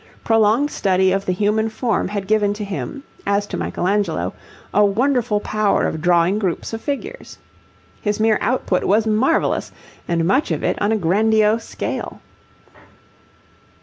Prolonged study of the human form had given to him, as to Michelangelo, a wonderful power of drawing groups of figures. His mere output was marvellous, and much of it on a grandiose scale.